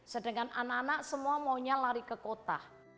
sedangkan anak anak semua maunya lari ke kota